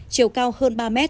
chiều cao hơn ba m